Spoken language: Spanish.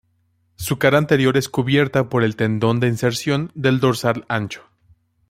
Su cara anterior es cubierta por el tendón de inserción del dorsal ancho.